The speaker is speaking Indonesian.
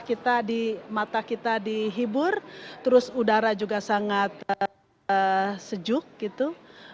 karena mata kita dihibur terus udara juga sangat sejuk gitu